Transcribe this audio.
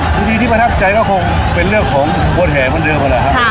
ปีนี้ที่ประทับใจก็คงเป็นเรื่องของกวดแห่งเมื่อเดิมก็แล้วค่ะ